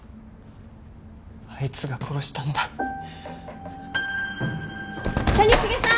あいつが殺したんだ谷繁さん